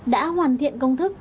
đã hoàn thiện công thức